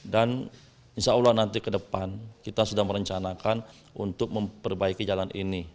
dan insya allah nanti ke depan kita sudah merencanakan untuk memperbaiki jalan ini